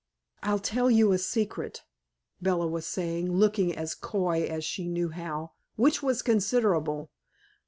"I'll tell you a secret," Bella was saying, looking as coy as she knew how which was considerable.